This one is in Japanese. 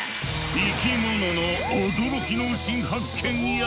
生き物の驚きの新発見や。